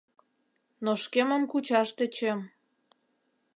Но шкемым кучаш тӧчем.